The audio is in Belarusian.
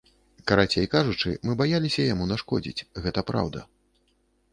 Карацей кажучы, мы баяліся яму нашкодзіць, гэта праўда!